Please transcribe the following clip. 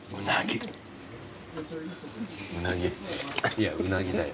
いやうなぎだよ。